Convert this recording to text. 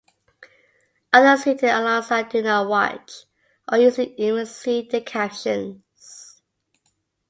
Others seated alongside do not watch, or usually even see, the captions.